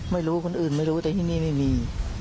ไม่รู้คนอื่นไม่รู้แต่ที่นี่ไม่มี